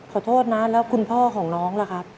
ขอโทษนะแล้วคุณพ่อของน้องล่ะครับ